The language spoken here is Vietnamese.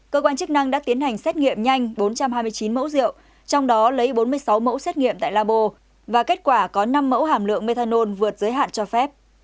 cơ quan chức năng đã tiến hành xét nghiệm nhanh bốn trăm hai mươi chín mẫu rượu trong đó lấy bốn mươi sáu mẫu xét nghiệm tại labo và kết quả có năm mẫu hàm lượng methanol vượt giới hạn cho phép